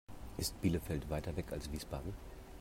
Ist Bielefeld weiter weg als Wiesbaden?